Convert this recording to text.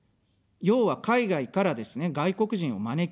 要は海外からですね、外国人を招き入れる。